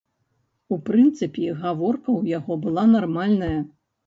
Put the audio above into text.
У прынцыпе, гаворка ў яго была нармальная.